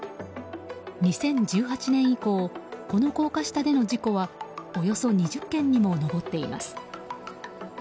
２０１８年以降この高架下での事故はおよそ２０件にも上っています。